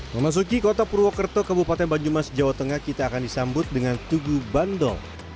memasuki kota purwokerto kabupaten banyumas jawa tengah kita akan disambut dengan tugu bandol